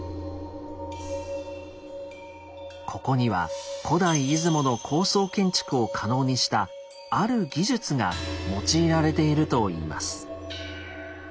ここには古代出雲の高層建築を可能にしたある技術が用いられているといいます。